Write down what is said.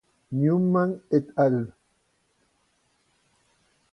Newman et al.